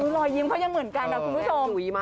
รอยยิ้มเขายังเหมือนกันนะคุณผู้ชม